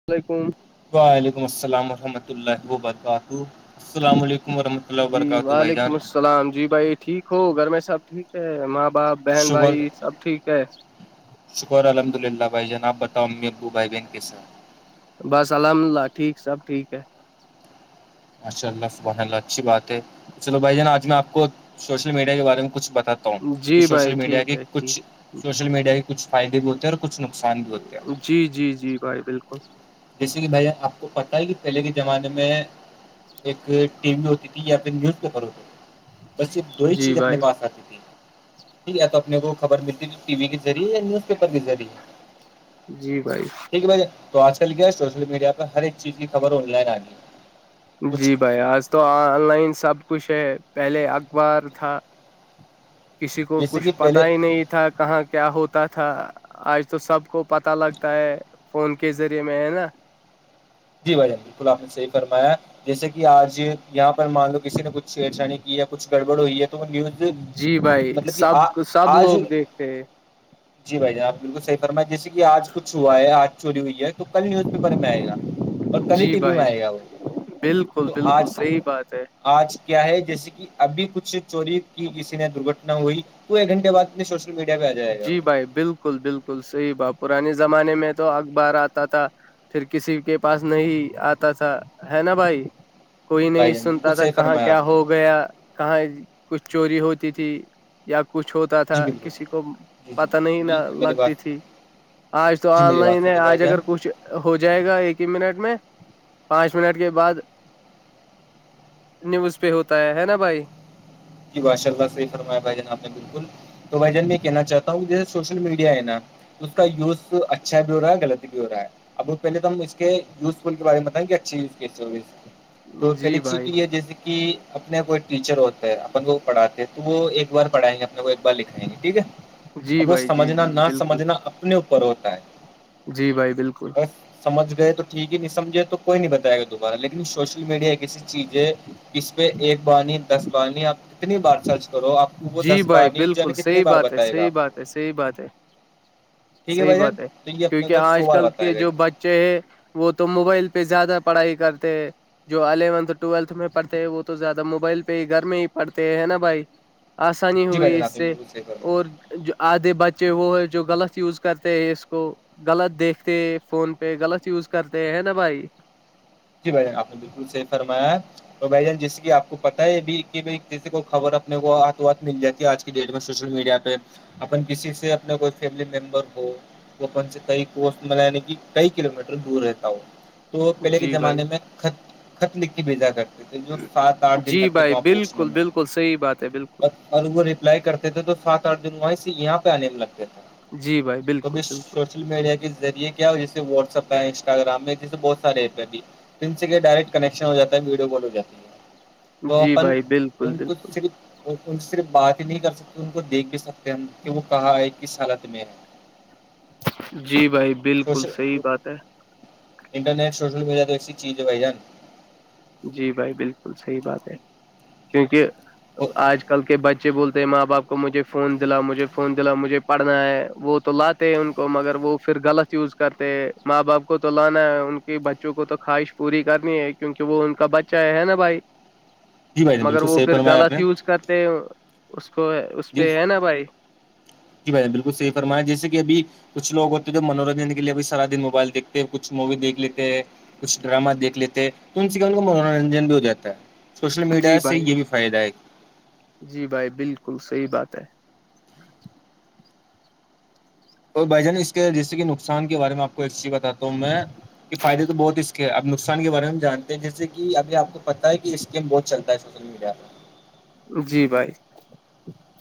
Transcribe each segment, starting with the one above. السلام علیکم وعلیکم السلام ورحمۃ اللہ و برکاتہ السلام علیکم ورحمۃ اللہ وبرکاتہ بھائی جان سلام جی بھائی ٹھیک ہو گھر میں سب ٹھیک ہے ماں باپ بہن شکر بھائی سب ٹھیک ہے شکر الحمد للہ بھائی جانب آپ بتاؤ امی ابو بھائی بہن کیسے بس الحمد للہ ٹھیک سب ٹھیک ہے ماشاء اللہ سبحان اللہ اچھی بات ہے چلو بھائی جان آج میں آپ کو سوشل میڈیا کے بارے میں کچھ بتاتا ہوں کہ جی سوشل بھائی میڈیا ٹھیک کے ہے کچھ ٹھیک سوشل میڈیا کے کچھ فائدے بھی ہوتے ہیں اور کچھ نقصان بھی ہوتے ہیں جی جی جی بھائی بالکل جیسے کہ بھاںی جان آپ کو پتا ہے کہ پہلے کے زمانے میں ایک ٹی وی ہوتی تھی یا پھر نیوز پیپر ہوتے بس یہ دو ہی جی چیز اپنے بھائی پاس آتی تھی ٹھیک ہے تو اپنے کو خبر ملتی ہے ٹی وی کے ذریعے یا نیوز پیپر کے ذریعے جی بھائی بھائی تو آج کل کیا ہے سوشل میڈیا پ ہر ایک چیز کی خبر آن لائن آ گیی ہے کچھ جی بھائی آج تو آن لائن سب کچھ ہے پہلے اخبار تھا کسی کو جیسے کچھ کہ پہلے پتا ہی نہیں تھا کہاں کیا ہوتا تھا آج تو سب کو پتہ لگتا ہے فون کے ذریعے میں ہے نا جی بھائی جان بالکل آپ نے صحیح فرمایا جیسے کہ آج یہاں پر مان لو کسی نے کچھ چھیڑچھانی کی ہے کچھ گڑبڑ ہوئی ہے نیز جی بھائی مطلب کہ آ سب سب آج لوگ دیکھتے ہیں جی بھائی جان آپ بالکل صحیح فرما جیسے کہ آج کچھ ہوا ہے آج چوری ہوئی ہے تو کل نیوز پیپر میں آئے گا اور کلی ہی جی ٹی وی بھائی میں آئے گا وہ بالکل تو بالکل آج کی صحیح بات ہے آج کیا ہے جیسے کہ ابھی کچھ چوری کی کسی نے درگھٹنا نہ ہوئی وہ ایک گھنٹے بعد اتنے شوشل جی بھائی بالکل بالکل صحیح بات پرانے زمانے میں تو اخبار آتا تھا پھر کسی کے پاس نہیں آتا تھا ہے نا بھائی کوئی بھائی نہیں جان بالکل سنتا تھا صحیح کہاں فرمایا کیا آپ نے ہو گیا کہاں کچھ چوری ہوتی تھی یا کچھ ہو جی بالکل جی جی پتا نہیں جی نا میری بات لگتی تھی آج تو جی آن میری بات لائن ہے سنیے بھائی آج جان اگر کچھ ہو جائے گا ایک ہی منٹ میں پانچ منٹ کے بعد نیوز پہ ہوتا ہے نا بھائی جی ماشاءاللہ صحیح فرمایا بھائی جان آپ نے بالکل تو بھائی جان میں کہنا چاہتا ہوں جیسے سوشل میڈیا ہے نا اس کا یوز اچھا بھی ہو رہا ہے غلط بھی ہو رہا ہے اب پہلے تو ہم اس کے یوز فل کے بارے میں بتائیں گے اچھی یوز کی ہو تو جی پہلی چیز بھائی تو یہ جیسے کہ اپنے کوئی ٹیچر ہوتا ہے کو پڑھاتے ہیں تو وہ ایک بار پڑھائیں گے وہ ایک بار لکھائیں گے ٹھیک ہے جی اب وہ بھائی جی سمجھنا جی نہ بالکل سمجھنا اپنے اوپر ہوتا ہے جی بھائی بالکل سمجھ گئے تو ٹھیک ہے نہیں سمجھے تو کوئی نہیں بتائے گا دوبارہ لیکن سوشل میڈیا کسی چیز ہے اس پہ ایک بانی دس بانیا کتنی بار کرو آپ کو وہ جی دس بھائی بانی جن بالکل کتنی صحی بار بات ہے بتائے گا صحی آپ بات ہے کو صحی بات ہے ٹھیک صحی بھائی جان بات ہے تو یہ اپنے کیونکہ کو سو آج بار کل کے بتائے گا جو بچ چے ہے وہ تو موبائل پہ زیادہ پڑھائی کرتے ہیں جو الیونتھ ٹویلتھ میں پڑھتے ہیں وہ تو زیادہ موبائل پہ ہی گھر میں ہی پڑھتے نا بھائی آسانی جی بھائی ہوئی جان آپ اس نے سے بالکل صحیح فرمایا اور جو آدھے بچے وہ ہے جو غلط یوز کرتے ہیں اس کو غلط دیکھتے فون پہ غلط یوز کرتے ہیں نا بھائی جی بھائی جان آپ نے بالکل صحیح فرمایا تو بھائی جان جیسے کہ آپ کو پتا ہے بھی کہ جیسے کوئی خبر اپنے کو ہاتھوں ہاتھ مل جاتی ہے آج کل ڈیٹ میں سوشل میڈیا پہ اپن کسی سے اپنا کوئی فیملی ممبر ہو وہ اپن سے کئی کوس یعنی کہ کئی کلو میٹر دور رہتا ہو تو پہلے جی بھائی زمانے خط خط لکھ کے بھیجا کر جو سات آٹھ دن جی لگتے تھے بھائی وہاں پہنچنے بالکل میں ب بالکل صحیح بات ہے بالکل اور وہ ریپلائی کرتے تھے تو سات آٹھ دن وہیں سے یہاں پہ آنے میں لگتے تھے جی بھائی تو بالکل بھی بالکل سوشل میڈیا کے ذریعے کیا ہو جیس واٹسپ ہے انسٹاگرام ہے جیسے بہت سارے ایپ ہیں بھی جن سے کے ڈائیکٹ کنکشن ہواتا ہے ویو کال ہو جاتی ہے تو جی اپن بھائی بالکل ان کو بالکل صرف اور ان صرف بات ہی نہیں کر سکتے ان کو دیکھ بھی سکتے ہم کہ وہ کہاں ہے کس حالت میں ہے جی بھائی بالکل سوشل صحیح بات ہے انٹرنیٹ سوشل میڈیا تو اس چیز وائی جان جی بھائی بالکل صحیح بات ہے کیونکہ آج کل کے بچے بولتے ہیں ماں باپ کو کو مجھے فون دلا مجھے فون دلا مجھے پڑھنا ہے وہ تو لاتے ان کو مگر وہ پھر غلط یوز کرتے ہیں ماں باپ کو تو لانا ہے ان کے بچوں کو تو خواہش پوری کرنی ہے کیونکہ تو وہ ان کا بچہ ہے نا بھائی جی بھائی جان مگر بالکل وہ صحیح پھر فرمایا آپ غلط نے یوز کر اس کو اس پہ ہے نا بھائی جی بائی بالکل صحی فرما جسے کہ اب کچھ لو ہوتے تو منورنجن کے لیے بھی سارا دن موبائل دھتے ہیں کچھ موی دیکھ لیتے ہیں کچھ ڈرامہ دیکھ لیتے ہیں تو ان سے کیا ان کا منورنجن بھی ہو جاتا ہے سوشل جی میڈیا سے بھائی یہ بھی فائدہ ہے جی بھائی بالکل صحیح بات ہے اور بھائی جان اس کے جیسے کہ نقصان کے بارے میں آپ کو ا چیز بتا ہوں میں کہ فائدے تو بہت اس کے ا نقسان کے بارے میں جانتے ہیں جیسے کہ ابھی آپ کو پتہ ہے کہ اسیم بہت چلتا ہے سوشل میڈیا پ جی بھائی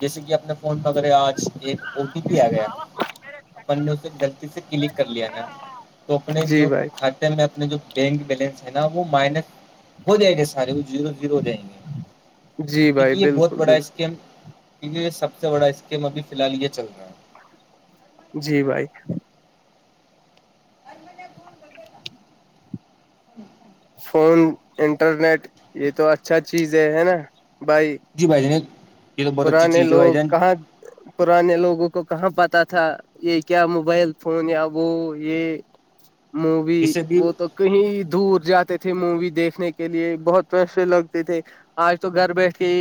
جیسے کہ اپنے فون پ وغیرہ آج ایک او ٹی پی آ گیا اپ نے اسے غلطی سے کلک کر لیا نا تو اپنے جی جو بھائی اپنے جو بینک بیلنس ہے نا وہ مائنس ہو جایے گے سارے وہ زیرو زیرو ہو جایے گے جی بھائی کیونکہ یہ بہت بالکل بڑا بالکل اسکیم ٹی وی میں سب سے بڑا اسکیم ابھی فی الال یہ چل رہا ہے جی بھائی ا م نے بون بگے گ [inaudible] اچا [unintelligible] فون انٹرنیٹ یہ تو اچھا چیز ہے ہے نا بھائی جی بھائی جان یہ تو بہت اچھی پرانے چیز ہے لوگ بھائی جان کہاں پرانے لوگوں کو کہاں پتاہ تھا یہ کیا موبائل فون یا وہ یہ مووی اسے بھی وہ تو کہیں دور جات تھے مووی دیکھنے کے لیے بہت پیسے لگتے تھے آج تو گھر بیٹھ کے ہی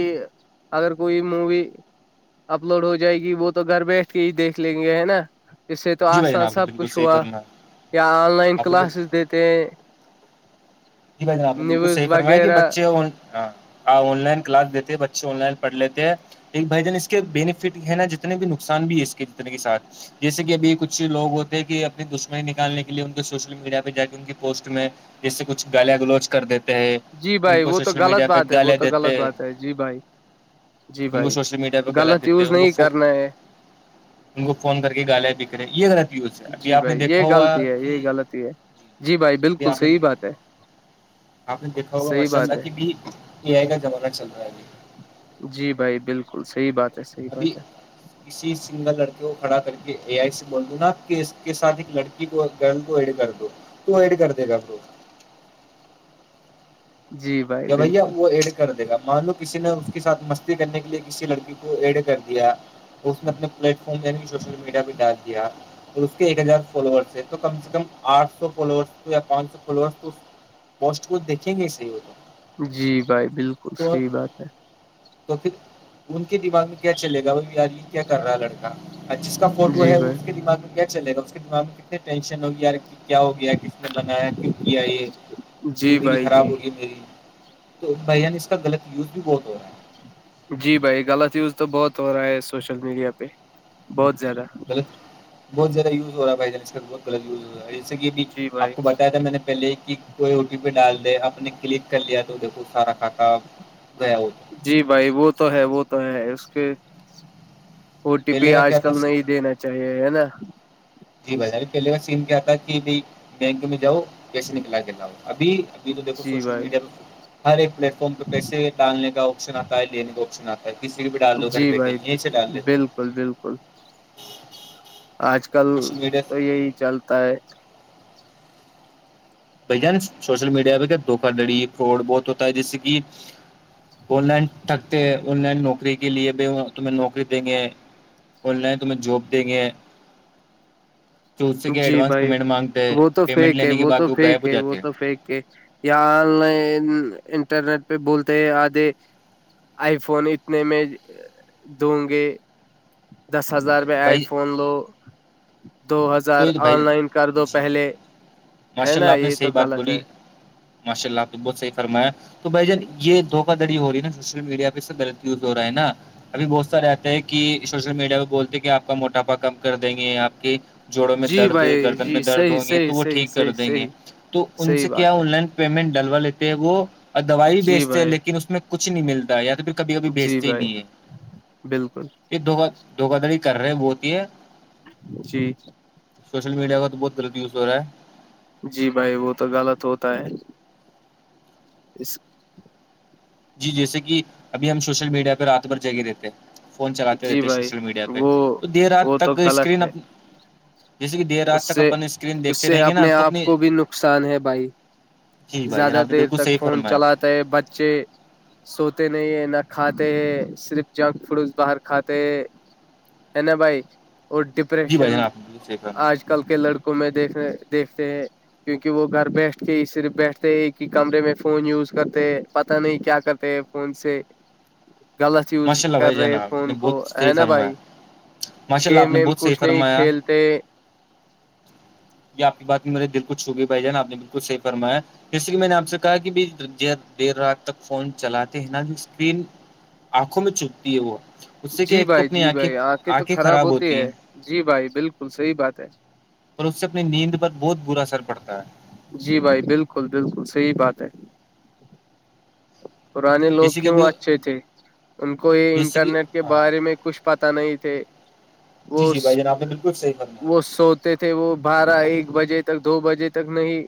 اگر کوئی مووی اپلوڈ ہو جائے گی وہ تو گھر بیٹھ کے ہی دیکھ لیں گے ہے نا اس سے تو جی بھائی جان آسان آپ نے سب بالکل کچھ صحیح ہوا فرمایا یا آن لائن آپ نے جی کلاسز دیتے ہیں ج بھائی ج آپ نے بالکل صحیح نیوز فرمایا کہ وغیرہ بچے ہاں ہ آن لائن کلاس دیتے ہیں بچے آن لائن پڑھ لیتے ہیں ایک بھائی جان اس کے بینیفٹ ہیں نا جتنے بھی نقصان بھی ہے اس کے جتنے کے ساتھ جیسے کہ ابھی کچھ لوگ ہوتے ہیں کہ اپنی دشمنی نکالنے کے لیے ان کے سوشل میڈیا پہ جا کے ان کی پوسٹ میں جیسے کچھ گالیا گلوچ کر دیتے جی ان بھائی کو وہ تو سوشل غلط میڈیا پہ بات ہے وہ گالے تو غلط دیتے ہیں بات ہے جی بھائی جی ان کو بھائی سوشل میڈیا پہ غلط دکھتے ہیں یوز ان نہیں کو کرنا ہے ان کو فون کر کے گالیا بکرے یہ یوز ہے ابھی جی آپ نے بھائی یہ دیکھا ہوا غلطی ہے یہ کہ غلط ہی ہے جی بھائی ابھی بالکل آپ نے صحیح بات ہے آپ نے دیکھا ہوگا صحیح ماشاء بات ہے اللہ کی بھی پے آئی کا زمانہ چل رہا ہے ج جی بھائی بالکل صحیح بات ہے صحیح ابھی بات ہے کسی سنگل لڑکے کو کھڑا کر کے اے آئی سے بول دوں نا کہ اس کے ساتھ ایک لڑکی گ کو ایڈ کر دو تو ایڈ کر دے گ جی بھائی کہ بھیا بالکل وہ کر دے گا مانو کسی نے اس کے ساتھ مستی کرنے کے لیے کسی لڑکی کو ایڈے کر دیا اس نے اپنے پلیٹ فارم یعنی سوشل میڈیا پہ ڈال دیا اور اس کے ایک ہزار فالوورس ہے تو کم سے کم آٹ سو فالوورس یا پانچ سو فالوورس تو پسٹ کو دھیں گے س وہ جی بھائی بالکل صحیح بات ہے تو پھر ان کے دماغ میں کیا چلے گا وہ آدمی کیا کر رہا ہے لڑکا جس کا فوٹو جی ہے بھائی اس کے دماغ میں کیا چلے گا اس کے دماغ میں کتنی ٹینشن ہو گی کیا ہو گیا کس نے بنایا کیوں کیا یہ جی زندگی بھائی خراب جی ہوگئی میری تو بھائیان اس کاغلط یوز بھی بہت ہو رہا ہے جی بھائی غلط یوز تو بہت ہو رہا ہے سوشل میڈیا پہ بہت زیادہ بہت زیادہ یوز ہو رہا بھائی جان س جیسا کہبھی جی بھائی آپ کو بتایا تھا میں نے پہلے کہ کوئی او ٹی پی ڈال دے اپ نے کلک کر لیا تو دیکھو سارا کھاتہ گیا ہو جی بھائی وہ تو ہے وہ تو ہے اس کے او ٹی پی پہلے کا آج کیا تھا کل نہیں دینا چاہیے ہے نا جی ب پہلے کا سم کیا تھا کہ بائی بینک میں جاؤ کیسے نکلا گ لا ابھی ابھی تو دیکھو جی سوشل بھائی میڈیا پہ ہر ایک پلیٹ فارم پہ پیسے ڈالنے کا آپشن آتا ہے لینے کا آپش آتا اور کسی کو بھی ڈال دو گھر جی بیٹھے بھائی یہیں سے ڈال دیتے بالکل بالکل آج کل سوشل میڈیا تو یہی چلتا ہے بھ جان سوشل میڈیا پہ کیا دھوکا لڑی فراڈ بہت ہوتا ہے جس کہ آن لائن تھکتے آن لائن نوکری کے لیے بھی تمہیں نوکری دیں گے آن لائن تو ہمہیں جاب دیں گے ہیں چود سے کیا جی ایڈوانس بھائی پیمنٹ مانگتے ہیں وہ تو پیمنٹ لینے کے بعد وہ غائب ہو جاتے ہیں یا آن لائن انٹرنیٹ پہ بولتے ہیں آدے آئی فون اتنے میں دوں گے دس ہزار تو میں آئی بھائی فون لو دو ہزار تو سر بھائی آن جی لائن کر دو جی جی پہلے ہے ماشاء اللہ نا آپ نے یہ تو صحیح بات غلط بولی ہے ماشاء اللہ آپ کو بہت صحی فرمایا تو بائی جان یہ دھوکا دڑی ہو رہی نا سوشل میڈیاہ سے غلط یوز ہو رہا ہے نا ابھی بہت سا رہتا ہے کہ سوشل میڈیا پہ بولتے ہیں کہ آپ کا موٹاپا کم کر دیں گے آپ کے- جوڑوں میں جی درد بھائی گردن میں جی درد صحیح ہوں گے صحیح تو وہ صحیح ٹھیک کر صحیح دیں گے صحیح تو ان صحیح سے کیا بات ہے ان لائن- پیمنٹ ڈلوا لیتے ہیں وہ دوائی جی بیچتے ہیں بھائی لیکن اس میں کچھ نہیں ملتا یا تو پھر کبھی کبھی جی بیچتے ہی بھائی نہیں ہے- [unintelligible] بالکل- یہ د دھوکا دڑی کر رہے بتی ہے- جی سوشل میڈیا کا بہت لط یو ہو رہا ہے جی بھائی وہ تو غلط ہوتا ہے اس جی جیسے کہ ابھی ہم سوشل میڈیا پہ رات بھر جگگے دیتے ہیں فون چلاتے جی رہتے بھائی سوشل میڈیا پہ وہ تو دیر رات وہ تو تک غلط اسکرین ہے جیسے کہ دیر رات اس تک سے اپنی سکرین اس دیکھتے سے رہیں گے نا اپنے تم آپ نے- کو بھی نقصان ہے بھائی جی بھائی جنا، آپ نے بالکل صیح فرمایا ت بچے سوتے نہیں ہے نہ کھاتے ہیں صرف جنک فوڈز باہر کھاتے ہیں ہے ن بھائی وہ ڈیپریشن- جی شیک- آج کل کے لڑکوں میں دیکھنے، دیکھتے ہیں- کیونکہ وہ گھر بیٹھ کے اس بیٹھتے ایک ہی کمرے میں فون یوز کرتے ہیں پتہ نہیں کیا کرتے ہیں- فون سے غلط یوز ماشاء اللہ کر بھائی جان رہے آپ نے فون کو بہت صحیح ہے نا فرمایا بھائی- ماشاء اللہ آپ گیم نے ویم بہت صحیح کچھ نہیں فرمایا کھیلتے- یہ آ کی بات میں میرے دل کچھکی بھائی جان آپ نے بالکل صی فرایا- میں نے اپ سے کہا کہ بھی رات تک فون چلاتے ہیں نا سپین- آنکھوں میں چھپتی ہے وہ- جی بھائی جی بھائی آنکھیں تو خراب ہوتی ہے جی بھائی بالکل صحیح بات ہے- اور اس سے اپنی نیند پر بہت برا اثر پڑتا ہے- جی بھائی بالکل- بالکل صحیح بات ہے- پرانے لوگ جیسے کہ کیوں ابھی اچھے تھے ان کو یہ جیسے کہ انٹرنیٹ کے ہاں بارے میں کچھ- پت نہیں تھے جی وہ جی بھائی جان آپ نے بالکل صحیح فرمایا وہ سو- تے تھے وہ بارہ ایک بجے تک دو بجے تک نہیں-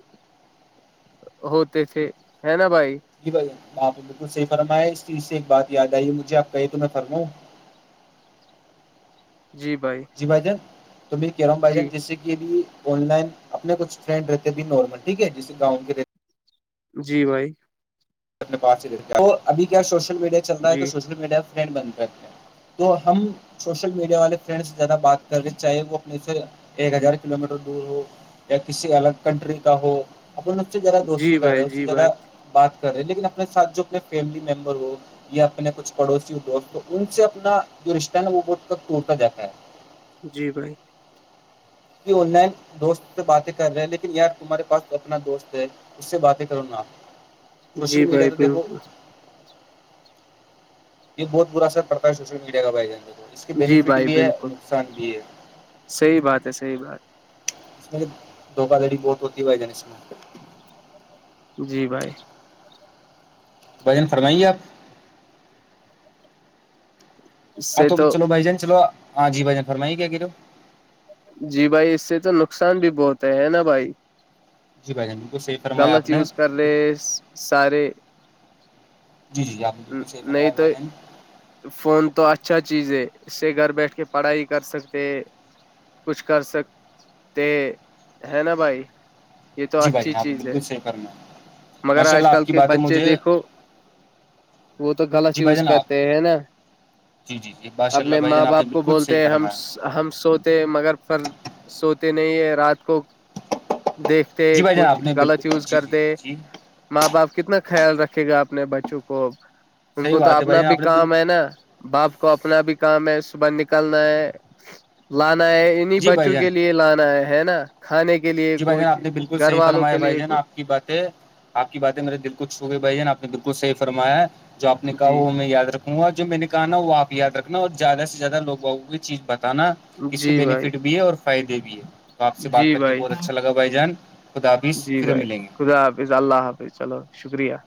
ہوتے تھے ہے نا بھائی- جی بھائی ہپ تو بالکل صحی فرمایا اس چیز سے ایک بات یاد آئی ہے مجھے آپ کہے تو میں فرماں- جی بھائی, جی بھائی جان تمہیں کہہ رہا ہوں بھائی جان جی جس سے- بھی آن لائن اپنے کچھ ٹرینڈ رہتے بھی نارمل ٹھیک ہے جیسے گاؤن کے رہتے- جی بھائی اپنے پاس سے د وہ اب کیا سوشل میڈیا چل رہا ہے تو جی سوشل میڈیا ٹرینڈ بن کرتے ہیں- تو ہم سوشل میڈیا والے فرینڈ سے زیادہ بات کرنے چاہے وہ اپنے سے- ایک ہزار کلو میٹر دور ہو یا کسی الگ کنٹری کا ہو- اپ س سے زیادہ دوستی جی کر رہے بھائی اس سے جی زیادہ بھائی بات کر رہے لیکن اپنے ساتھ جو اپنے فیملی ممبر ہو- یا اپنے کچھ پڑوسی دوست ان سے اپنا جو رشتہ ہےا وہ ب تک ٹوٹتا جاتا ہے- جی بھائی یہ آن لائن دوست سے باتیں کر رہے ہیں لیکن یار تمہارے پاس اپنا دوست ہے- اس سے باتیں کروں نا سوشل جی میڈیا بھائی تو دیکھو- بالکل یہ بہت برا اثر پڑتا ہے سوشل میڈیا کا پائے جانے تو اس کے جی بینیفٹ بھائی بھی ہے اور بالکل نقصان بھی ہے- صحیح بات ہے صحیح بات- دکہ دڑی بہٹ ہوتی و جانم- جی بھائی بھجن فرمائیے آپ- اس ہاں سے تو چلو بھائی جان چلو ہاں جی بھائی جان فرمائی گ کہ ہو جی بھائی اس سے تو نقصان بھی بہت ہے ہے نا بھائی جی پائ ج گے غلط یوز کر رہے سارے جی جی جی آپ نے بالکل صحیح نہیں فرمایا تو بھائی جان فون تو اچھا چیز ہے اس سے گھر بیٹھ کے پڑھائی کر سکتے ہیں- کچھ کر سکتے ہے نا بھائی- یہ تو جی بھائی اچھی جان آپ نے چیز ہے بالکل صحیح فرمایا مگر ماشاء آج اللہ کل آپ کی کے باتیں بچے مجھے دیکھو- وہ تو غلط جی بھائی یوز جان کرتے آپ ہیں ہے نا- جی جی جی ماشاء اللہ اپنے بھائی ماں جان آپ نے باپ کو بالکل صحیح بولتے ہیں فرمایا ہم- ہم سوتے مگر پر سوتے نہیں ہے رات کو دیکھ- جی بھائی جان کچھ آپ نے بالکل غلط یوز جی جی کرتے جی جی ماں باپ کتنا خیال رکھے گا اپنے بچوں کو ان صحیح کو تو بات ہے بھائی اپنا جان بھی آپ نے کام بالکل ہے نا باپ کو اپنا بھی کام ہے صبح نکلنا ہے لانا ہے ان اپنی جی بھائی بچوں جان کے لیے لانا ہے ہے نا کھانے کے لیے جی بھائی جان کچھ آپ نے بالکل گھر صحیح والوں کے لیے کچھ کی بات ہے آ کی باتیں میرے دل کوچ چھ ہو گئے بھائی جان آپ نے بالکلحی فرایا جو آ نے کہا جی وہ میں یاد رکھ ہوا جو میں نے کہا ن وہ آپ یاد رکھنا اور زیادہ سے زیادہ لوگو کو چیز بت نا اس کے جی بھائی بینیفٹ بھی ہے اور فائدے بھی ہے تو آپ سے بات جی کر کے بھائی بہت اچھا بھ جان خداابس جی پھر بھائی ملیں گے خدا حافظ اللہ حافظ چلو شکریہ